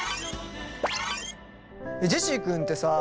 ジェシー君ってさあ。